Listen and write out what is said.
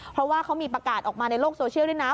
เพราะว่าเขามีประกาศออกมาในโลกโซเชียลด้วยนะ